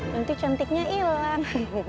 nanti cantiknya ilang